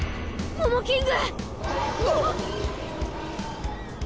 モモキング！